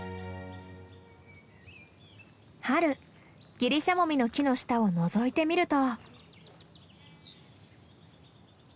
春ギリシャモミの木の下をのぞいてみると。